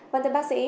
vâng thưa bác sĩ